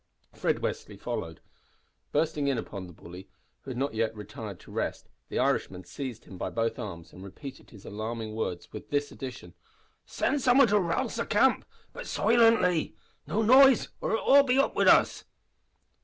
Fred Westly followed. Bursting in upon the bully, who had not yet retired to rest, the Irishman seized him by both arms and repeated his alarming words, with this addition: "Sind some wan to rouse the camp but silently! No noise or it's all up wid us!"